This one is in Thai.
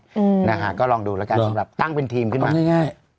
อืมนะฮะก็ลองดูแล้วกันสำหรับตั้งเป็นทีมขึ้นมาง่ายง่าย